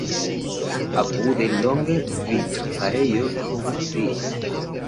Apude longe vitrofarejo funkciis.